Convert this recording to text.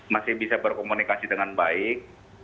masih bisa berkomunikasi dengan baik